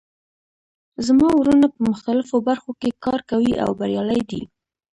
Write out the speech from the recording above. زما وروڼه په مختلفو برخو کې کار کوي او بریالي دي